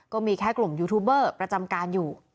ก็มีแค่กลุ่มยูทูบเบอร์ประจำการอยู่